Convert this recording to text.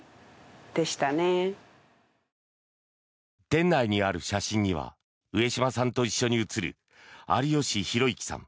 店内にある写真には上島さんと一緒に写る有吉弘行さん